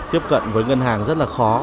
tiếp cận với ngân hàng rất là khó